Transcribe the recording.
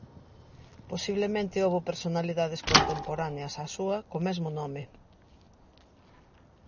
Posiblemente houbo personalidades contemporáneas á súa co mesmo nome.